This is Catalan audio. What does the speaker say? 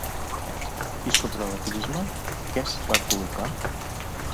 I sobre la crisma, què s'hi va col·locar?